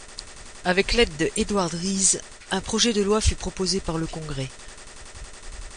Avec l'aide de Edward Rees, un projet de loi fut proposé par le Congrès.